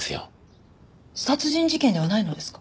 殺人事件ではないのですか？